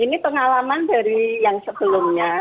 ini pengalaman dari yang sebelumnya